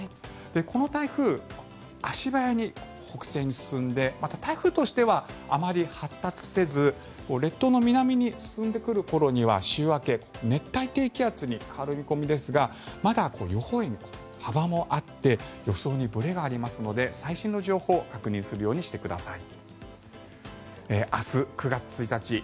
この台風、足早に北西に進んでまた、台風としてはあまり発達せず列島の南に進んでくる頃には週明け、熱帯低気圧に変わる見込みですがまだ予報円の幅もあって予想にぶれがありますので最新の情報を確認するようにしてください。